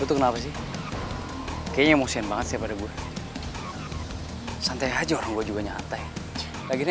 itu kenapa sih kayaknya emosian banget sih pada gue santai aja orang gue juga nyatai lagi